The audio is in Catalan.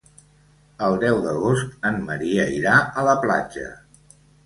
El deu d'agost en Maria irà a la platja.